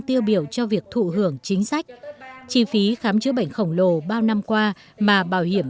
tiêu biểu cho việc thụ hưởng chính sách chi phí khám chữa bệnh khổng lồ bao năm qua mà bảo hiểm